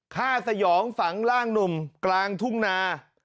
สยองฝังร่างหนุ่มกลางทุ่งนา